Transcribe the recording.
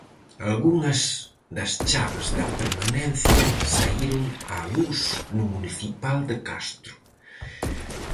Algunhas das chaves da permanencia saíron á luz no municipal de Castro.